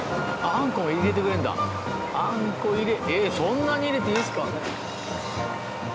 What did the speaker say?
そんなに入れていいんですか？